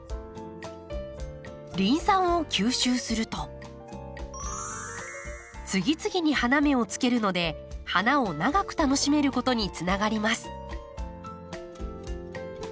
リン酸を吸収すると次々に花芽をつけるので花を長く楽しめることにつながります。